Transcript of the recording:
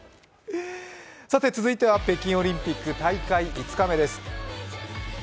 続いては北京オリンピック大会５日目です。